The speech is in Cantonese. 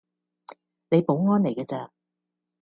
你保安嚟架咋